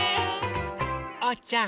おうちゃん。